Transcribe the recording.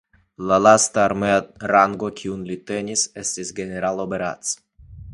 La lasta armea rango kiun li tenis estis "Generaloberarzt".